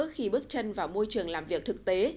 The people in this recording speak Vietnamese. khi bước chân vào môi trường làm việc thực tế